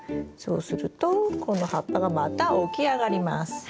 そうするとこの葉っぱがまた起き上がります。